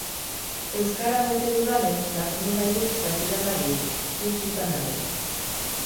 Euskara maite dudanez, lagundu nahi dut dakidana gehituz, gutxi izan arren.